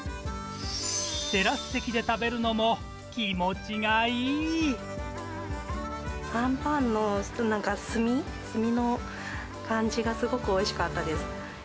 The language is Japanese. テラス席で食べるのも気持ちあんパンの、なんか、炭の感じがすごくおいしかったです。